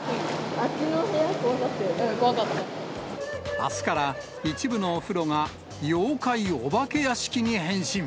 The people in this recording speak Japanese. あすから一部のお風呂が、妖怪お化け屋敷に変身。